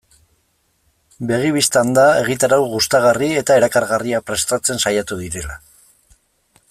Begi bistan da egitarau gustagarri eta erakargarria prestatzen saiatu direla.